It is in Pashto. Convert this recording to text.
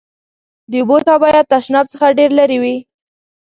د اوبو څاه باید تشناب څخه ډېر لېري وي.